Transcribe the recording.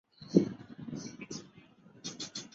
朝鲜景宗的陵墓懿陵位于本区的石串洞。